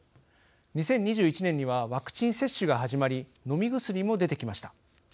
２０２１年にはワクチン接種が始まり飲み薬も出てきました。